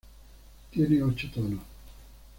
Tiene ocho tonos.